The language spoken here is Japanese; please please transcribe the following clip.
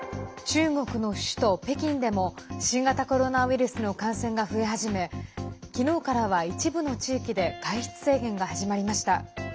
中国の首都・北京でも新型コロナウイルスの感染が増え始めきのうからは、一部の地域で外出制限が始まりました。